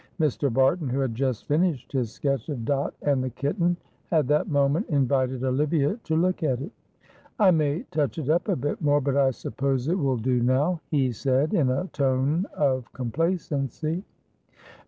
Mr. Barton, who had just finished his sketch of Dot and the kitten, had that moment invited Olivia to look at it. "I may touch it up a bit more, but I suppose it will do now," he said, in a tone of complacency.